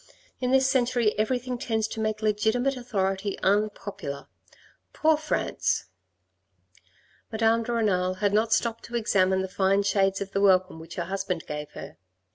In this century everything tends to make legitimate authority un popular. Poor France !" Madame de Renal had not stopped to examine the fine shades of the welcome which her husband gave her.